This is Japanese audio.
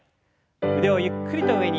腕をゆっくりと上に。